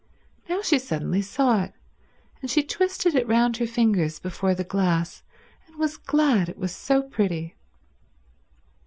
Now she suddenly saw it, and she twisted it round her fingers before the glass, and was glad it was so pretty.